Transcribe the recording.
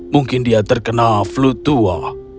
mungkin dia terkena flu tua